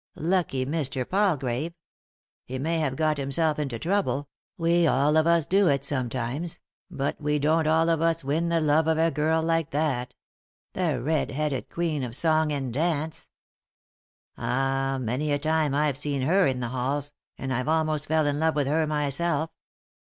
Lucky Mr. Palgrave I He may have got himself into trouble— we all of us do it sometimes — but we don't all of us win the love of a girl like that. ' The Red Headed Queen of Song and Dance I ' Ah, many a time I've seen her in the halls, and I've almost fell in love with her my self.